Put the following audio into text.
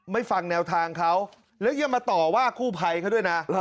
ฟังแนวทางเขาแล้วยังมาต่อว่ากู้ภัยเขาด้วยนะ